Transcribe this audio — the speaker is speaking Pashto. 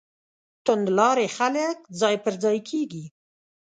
توندلاري خلک ځای پر ځای کېږي.